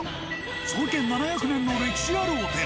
創建７００年の歴史あるお寺。